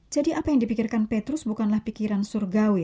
jadi apa yang dipikirkan petrus bukanlah pikiran surgawi